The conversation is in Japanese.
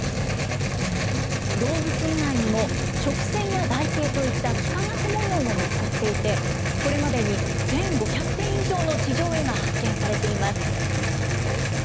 動物以外にも、直線や台形といった幾何学模様も見つかっていて、これまでに１５００点以上の地上絵が発見されています。